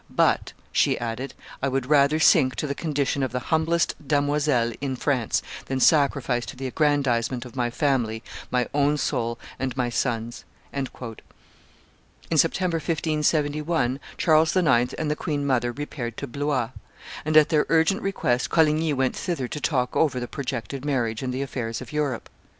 ... But," she added, "I would rather sink to the condition of the humblest damoisel in France than sacrifice to the aggrandizement of my family my own soul and my son's." In September, 1571, Charles IX. and the queen mother repaired to Blois; and at their urgent request Coligny went thither to talk over the projected marriage and the affairs of Europe.